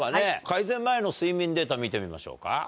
改善前の睡眠データ見てみましょうか。